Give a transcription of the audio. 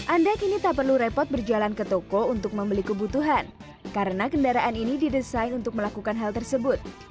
anda kini tak perlu repot berjalan ke toko untuk membeli kebutuhan karena kendaraan ini didesain untuk melakukan hal tersebut